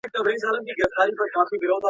بېلابېل عکس العملونه د ژوند ژغورنې وسیله دي.